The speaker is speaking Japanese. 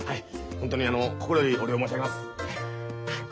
本当に心よりお礼を申し上げます。